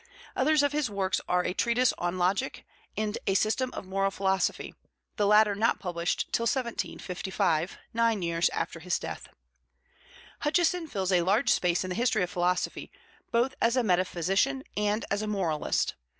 Others of his works are a treatise on Logic and A System of Moral Philosophy, the latter not published till 1755, nine years after his death. Hutcheson fills a large space in the history of philosophy, both as a metaphysician and as a moralist.